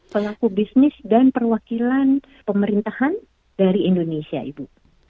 pelaku bisnis dan perwakilan pemerintahan dari indonesia ibu